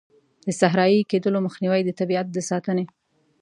د صحرایې کیدلو مخنیوی، د طبیعیت د ساتنې.